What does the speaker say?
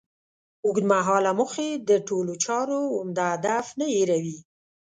اوږد مهاله موخې د ټولو چارو عمده هدف نه هېروي.